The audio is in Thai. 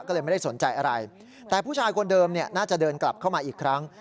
ก็เลยไม่ได้สนใจอะไรแต่ผู้ชายคนเดิมน่าจะเดินกลับเข้ามาอีกครั้ง